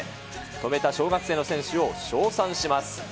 止めた小学生の選手を称賛します。